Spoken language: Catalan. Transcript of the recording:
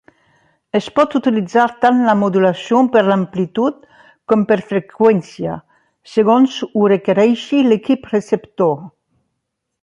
Es pot utilitzar tant la modulació per amplitud com per freqüència, segons ho requereixi l'equip receptor.